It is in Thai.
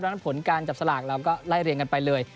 เพราะฉะนั้นผลการจับสลากเราก็ไล่เรียงกันไปเลย